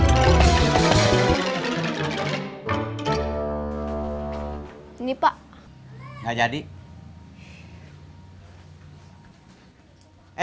ini pak jadi